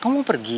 kamu mau pergi